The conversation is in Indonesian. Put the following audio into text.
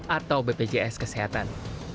atau bpjs kesehatan